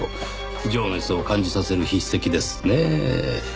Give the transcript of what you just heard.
情熱を感じさせる筆跡ですねぇ。